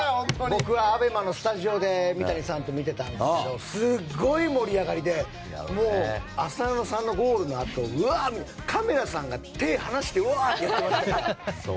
僕はＡＢＥＭＡのスタジオで三谷さんと見ていたんですがすごい盛り上がりで浅野さんのゴールのあとカメラさんが手を放してうわーってやってましたよ。